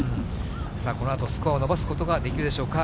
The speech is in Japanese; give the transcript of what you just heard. さあ、このあと、スコアを伸ばすことができるでしょうか。